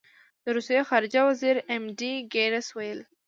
د روسیې خارجه وزیر ایم ډي ګیرس وویل.